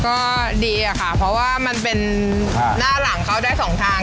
ก็ดีอะค่ะเพราะว่ามันเป็นหน้าหลังเขาได้สองทาง